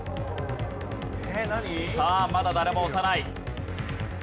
さあまだ誰も押さない。